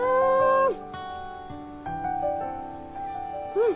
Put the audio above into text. うん！